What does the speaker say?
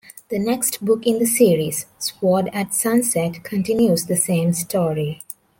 The next book in the series, "Sword at Sunset", continues the same story.